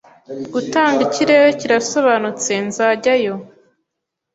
Gutanga ikirere kirasobanutse, nzajyayo